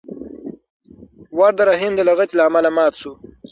ور د رحیم د لغتې له امله مات شو.